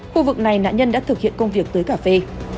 khu vực này nạn nhân đã thực hiện công việc tới cả phê